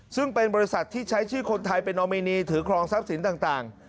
ซึ่งเป็นบริษัทที่ใช้ชื่อคนไทยเป็นนอมินีถือครองทรัพย์สินต่าง